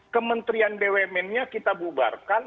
kementerian bumn nya kita bubarkan